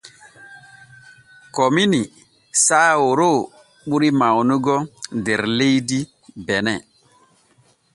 Komini saawaro ɓuri mawnugo der leydi bene.